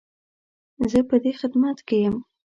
زه به دې خدمت کې يم